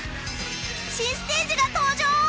新ステージが登場！